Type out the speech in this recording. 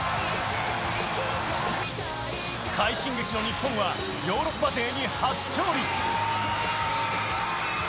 快進撃の日本は、ヨーロッパ勢に初勝利。